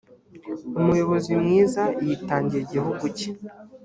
umuyobozi mwiza yitangira igihugu cye